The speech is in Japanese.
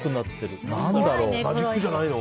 マジックじゃないの？